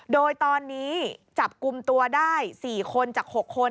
โดยตอนนี้จับกลุ่มตัวได้๔คนจาก๖คน